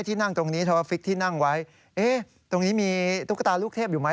จะไม่นั่งข้างตุ๊กตาลูกเทพ